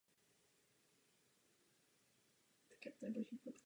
Jamie Murray si připsal třetí deblový triumf sezóny a celkově desátý kariérní.